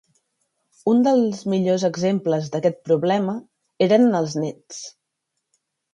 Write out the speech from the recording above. Un dels millors exemples d'aquest problema eren els Nets.